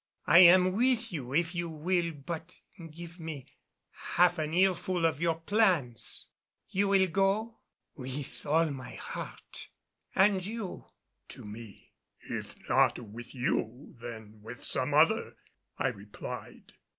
I am with you if you will but give me half an earful of your plans." "You will go?" "With all my heart." "And you?" to me. "If not with you, then with some other," I replied.